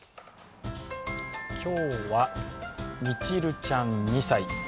今日は、ミチルちゃん２歳。